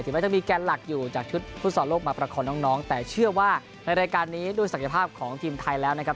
แม้จะมีแกนหลักอยู่จากชุดฟุตซอลโลกมาประคองน้องแต่เชื่อว่าในรายการนี้ด้วยศักยภาพของทีมไทยแล้วนะครับ